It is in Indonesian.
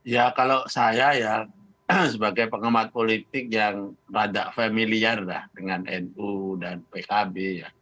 ya kalau saya ya sebagai penggemar politik yang rada familiar dengan nu dan pkb